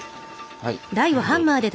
はい。